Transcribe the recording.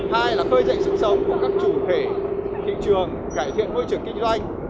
hai là khơi dậy sức sống của các chủ thể thị trường cải thiện môi trường kinh doanh